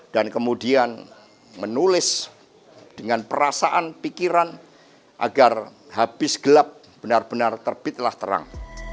dan kemudian menulis dengan perasaan pikiran agar habis gelap benar benar terbitlah terang